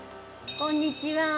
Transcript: こんにちは。